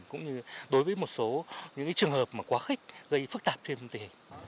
cũng như đối với một số những trường hợp quá khích gây phức tạp thêm tình hình